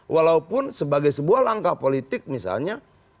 walaupun sebagai sebuah langkah politik misalnya